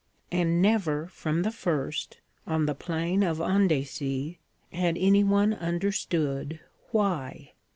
And never, from the first, on the plain of Andecy, had anyone understood why.